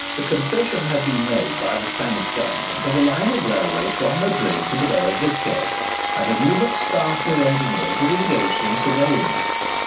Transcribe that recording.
A concession had been made by the Spanish Government of a line of railway from Madrid to the Bay of Biscay, and a numerous staff of engineers was engaged in surveying it.